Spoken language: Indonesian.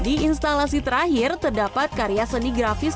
di instalasi terakhir terdapat karya seni grafis